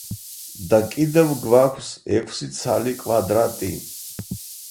და კიდევ გვაქვს ექვსი ცალი კვადრატი.